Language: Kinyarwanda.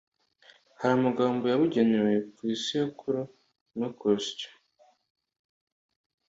hari amagambo yabugenewe ku isekuru no ku rusyo